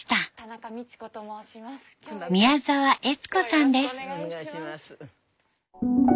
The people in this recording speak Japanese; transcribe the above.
宮沢悦子さんです。